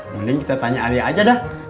mending kita tanya ayah aja dah